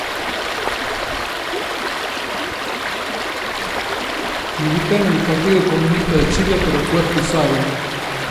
Militó en el Partido Comunista de Chile, pero fue expulsado.